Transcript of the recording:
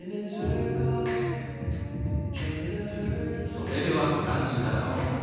それではご覧頂こう。